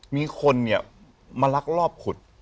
มีคนเนี่ยมาลักลอบขุด